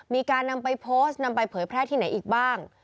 มีการนำไปโพสต์นำไปเผยแพร่ที่ไหนอีกบ้าง